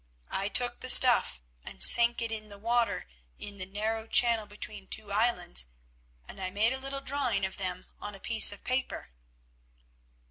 I took the stuff and sank it in the water in a narrow channel between two islands, and I made a little drawing of them on a piece of paper."